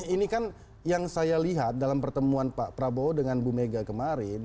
ini kan yang saya lihat dalam pertemuan pak prabowo dengan bu mega kemarin